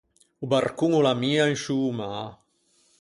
O barcon o l’ammia in sciô mâ.